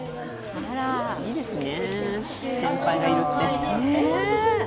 あら、いいですね。